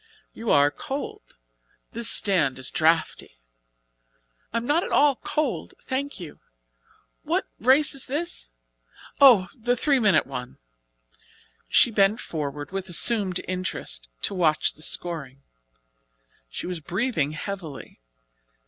"You are cold! This stand is draughty." "I am not at all cold, thank you. What race is this? oh! the three minute one." She bent forward with assumed interest to watch the scoring. She was breathing heavily.